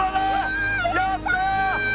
やった！